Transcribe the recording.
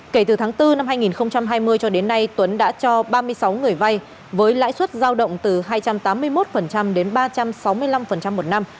kể từ tháng bốn năm hai nghìn hai mươi cho đến nay tuấn đã cho ba mươi sáu người vay với lãi suất giao động từ hai trăm tám mươi một đến ba trăm sáu mươi năm một năm